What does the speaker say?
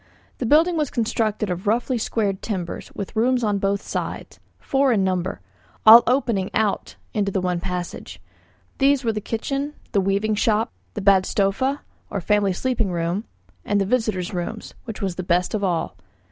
The building was constructed of roughly squared timbers, with rooms on both sides, four in number, all opening out into the one passage: these were the kitchen, the weaving shop, the badstofa, or family sleeping room, and the visitors' room, which was the best of all.